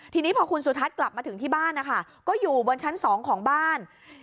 ทีนี้พอคุณสุทัศน์กลับมาถึงที่บ้านนะคะก็อยู่บนชั้น๒ของบ้าน